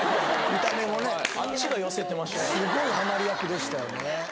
見た目もねすごいハマり役でしたよね